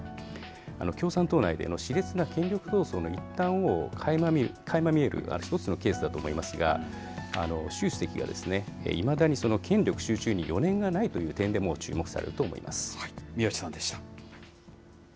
共産党内でのしれつな権力闘争の一端をかいま見える一つのケースだと思いますが、習主席がいまだに権力集中に余念がないという点でも注目されると宮内さんでした。